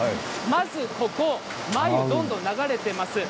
まず、ここを繭がどんどん流れています。